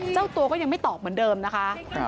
เจ้าตัวก็ยังไม่ตอบเหมือนเดิมนะคะ